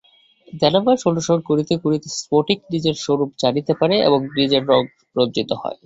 ধ্যানাভ্যাস অনুসরণ করিতে করিতে স্ফটিক নিজের স্বরূপ জানিতে পারে এবং নিজ রঙে রঞ্জিত হয়।